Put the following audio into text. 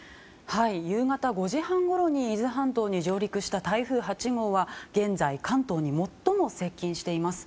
夕方５時半ごろに伊豆半島に上陸した台風８号は現在関東に最も接近しています。